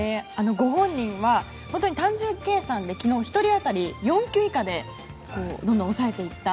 ご本人は本当に単純計算で昨日、１人当たり４球以下で抑えていった。